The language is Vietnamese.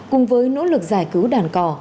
cùng với nỗ lực giải cứu đàn cò